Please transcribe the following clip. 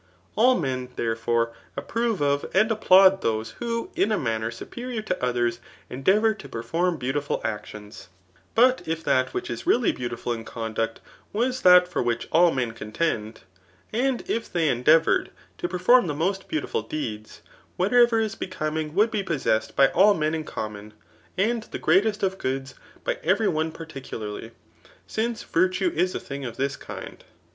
All men, therefore, approve of and applaud those who in a manner superior to others endeavour to perform beautiful actions. But Digitized by Google S5ft 'i H£ NlCaltACHiiA'^ BOOK UL, if dut which ii really beautiful in condbct was dial bn vfbkh all men conteuded, and if ihey endeavoured fea lie t farm the most beautiful deeds, whatever is becomitag would be yowesDcd by all men in oommon, and Ae gvsateit of goods by every one particularly ; since virtue is a thing of this kind.